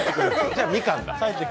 じゃあ、みかんだ。